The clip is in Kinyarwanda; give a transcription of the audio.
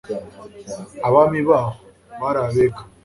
Abami baho, bari Abega.